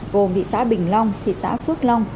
gồm thị xã bình long thị xã phước long